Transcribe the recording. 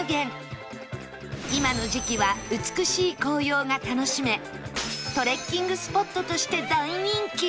今の時期は美しい紅葉が楽しめトレッキングスポットとして大人気